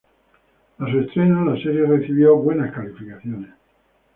A su estreno la serie recibió buenas calificaciones.